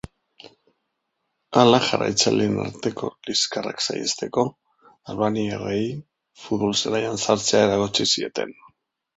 Hala, jarraitzaileen arteko liskarrak saihesteko, albaniarrei futbol-zelaian sartzea eragotzi zieten.